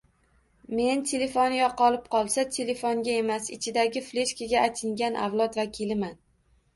Men, telefoni yo'qolib qolsa telefonga emas, ichidagi fleshkaga achingan avlod vakiliman...